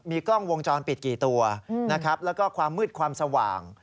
กล้องวงจรปิดกี่ตัวนะครับแล้วก็ความมืดความสว่าง